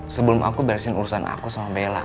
sebelum aku beresin urusan aku sama bella